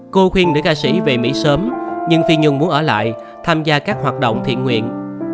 cô khuyên nữ ca sĩ về mỹ sớm nhưng phi nhung muốn ở lại tham gia các hoạt động thiện nguyện